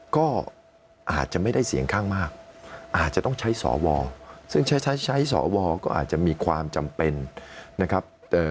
ก็อาจจะไม่ได้เสียงข้างมากอาจจะต้องใช้สวซึ่งใช้ใช้สวก็อาจจะมีความจำเป็นนะครับ